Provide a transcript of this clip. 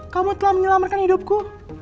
kamu telah menyelamatkan hidupku